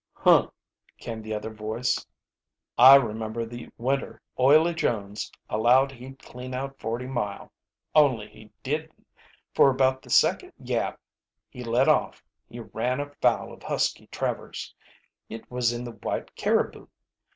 "Huh!" came the other voice. "I remember the winter Oily Jones allowed he'd clean out Forty Mile. Only he didn't, for about the second yap he let off he ran afoul of Husky Travers. It was in the White Caribou.